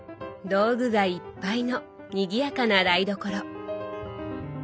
道具がいっぱいのにぎやかな台所。